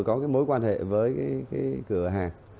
có mối quan hệ với cửa hàng